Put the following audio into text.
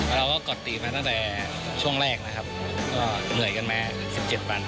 เราก็กดตีมาตั้งแต่ช่วงแรกนะครับก็เหนื่อยกันมา๑๗วัน